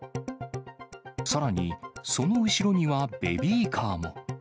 さらに、その後ろにはベビーカーも。